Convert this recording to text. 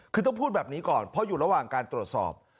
คือต้องพูดแบบนี้ก่อนเพราะอยู่ระหว่างการตรวจสอบ